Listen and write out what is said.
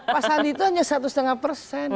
pak sandi itu hanya satu lima persen